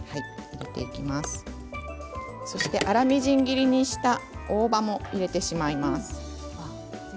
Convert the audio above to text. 粗みじん切りにした大葉も入れてしまいましょう。